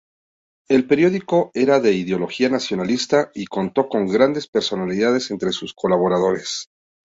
El periódico era de ideología nacionalista y contó con grandes personalidades entre sus colaboradores.